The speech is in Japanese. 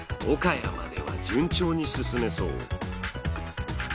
岡谷までは順調に進めそう。